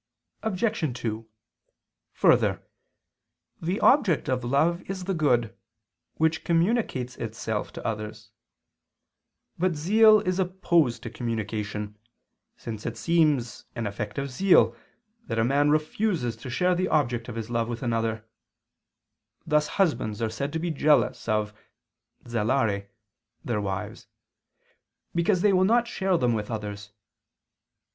Obj. 2: Further, the object of love is the good, which communicates itself to others. But zeal is opposed to communication; since it seems an effect of zeal, that a man refuses to share the object of his love with another: thus husbands are said to be jealous of (zelare) their wives, because they will not share them with others.